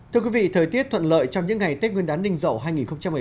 thưa quý vị thời tiết thuận lợi trong những ngày tết nguyên đán đinh dậu hai nghìn một mươi bảy